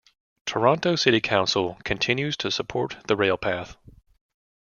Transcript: Toronto City Council continues to support the railpath.